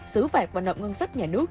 xử phạt và nộp ngân sách nhà nước